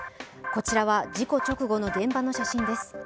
こちらは事故直後の現場の写真です。